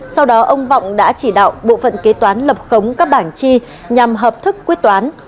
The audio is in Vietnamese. sau đó ông vọng đã chỉ đạo bộ phận kế toán lập khống các bảng chi nhằm hợp thức quyết toán